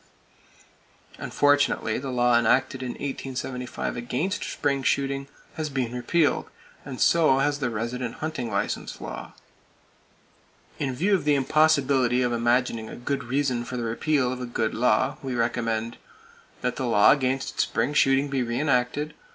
Unfortunately the law enacted in 1875 against spring shooting has been repealed, and so has the resident hunting license law (1911). In view of the impossibility of imagining a good reason for the repeal of a good law, we recommend: That the law against spring shooting be re enacted.